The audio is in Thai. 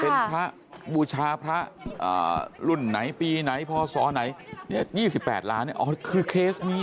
เป็นพระบูชาพระรุ่นไหนปีไหนพศไหน๒๘ล้านคือเคสนี้